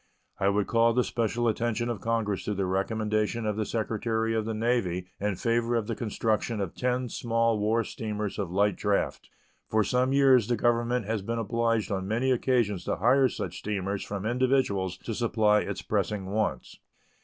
I would call the special attention of Congress to the recommendation of the Secretary of the Navy in favor of the construction of ten small war steamers of light draft. For some years the Government has been obliged on many occasions to hire such steamers from individuals to supply its pressing wants.